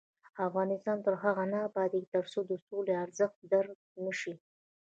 افغانستان تر هغو نه ابادیږي، ترڅو د سولې ارزښت درک نشي.